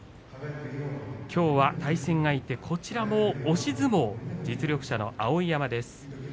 きょうは対戦相手、こちらも押し相撲実力者の碧山です。